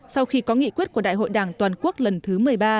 sau khi có nghị quyết của đại hội đảng toàn quốc lần thứ một mươi ba